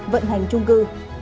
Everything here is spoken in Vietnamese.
vận hành trung cư